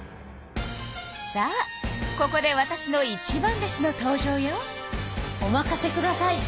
さあここでわたしの一番弟子の登場よ。